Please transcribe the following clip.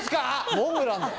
モンブランだよ。